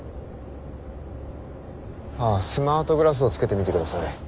あスマートグラスをつけてみてください。